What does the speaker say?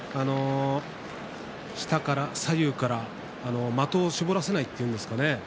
下から左右から的を絞らせないというんですかね